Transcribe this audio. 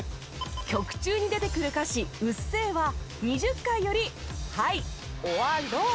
曲中に出てくる歌詞「うっせぇ」は２０回よりハイオアロー？